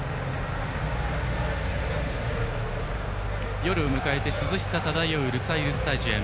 夜を迎えて、涼しさ漂うルサイルスタジアム。